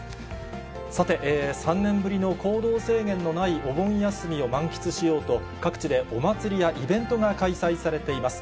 さて、３年ぶりの行動制限のないお盆休みを満喫しようと、各地でお祭りやイベントが開催されています。